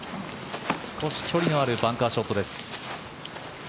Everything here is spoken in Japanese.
少し距離のあるバンカーショットです。